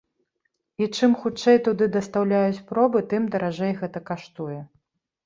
І чым хутчэй туды дастаўляюць пробы, тым даражэй гэта каштуе.